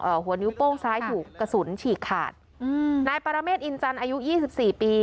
หัวนิ้วโป้งซ้ายถูกกระสุนฉีกขาดอืมนายปรเมฆอินจันทร์อายุยี่สิบสี่ปี